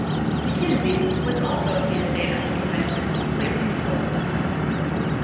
McKenzie was also a candidate at that convention, placing fourth.